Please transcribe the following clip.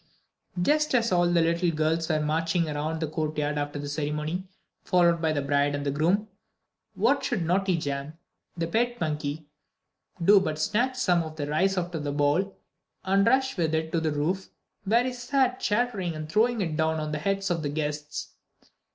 Just as all the little girls were marching around the courtyard after the ceremony, followed by the bride and groom, what should naughty Jam, the pet monkey, do but snatch some of the rice out of the bowl, and rush with it to the roof, where he sat chattering and throwing it down on the heads of the guests.